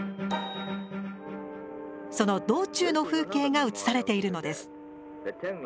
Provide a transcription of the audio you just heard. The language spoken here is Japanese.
その道中の風景が映されているのです。